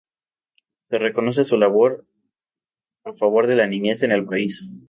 Se reconoce su labor a favor de la niñez en el país.